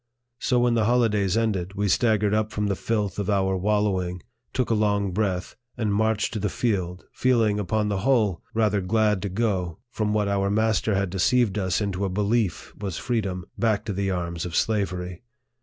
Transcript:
So, when the holidays ended, we staggered up from the filth of our wallowing, took a long breath, and inarched to the field, feeling, upon the whole, rather glad to go, from what our master had deceived us into a belief was freedom, back to the arms of slavery.